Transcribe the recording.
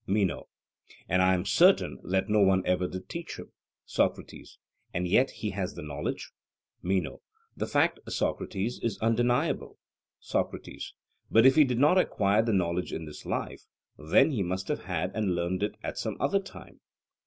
MENO: And I am certain that no one ever did teach him. SOCRATES: And yet he has the knowledge? MENO: The fact, Socrates, is undeniable. SOCRATES: But if he did not acquire the knowledge in this life, then he must have had and learned it at some other time?